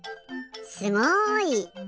すごい！